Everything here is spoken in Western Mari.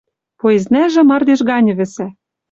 Поезднӓжӹ мардеж ганьы вӹсӓ